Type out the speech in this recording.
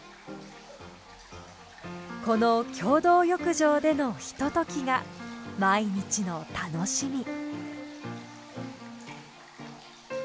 この共同浴場でのひとときが毎日の楽しみ。